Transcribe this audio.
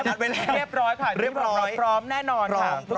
เวลาเรียบร้อยค่ะเรียบร้อยพร้อมแน่นอนค่ะ